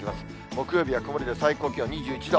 木曜日は曇りで最高気温２１度。